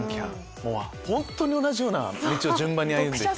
本当に同じような道を順番に歩んでいて。